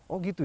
oh gitu ya